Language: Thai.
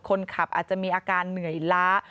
คนขับอาจจะมีอาการเหนื่อยล้า